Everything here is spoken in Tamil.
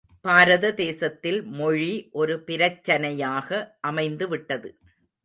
பாரத தேசத்தில் மொழி ஒரு பிரச்சனையாக அமைந்து விட்டது.